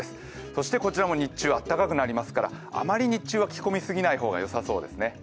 そしてこちらも日中、あったかくなりますからあまり着込みすぎない方がよさそうですね。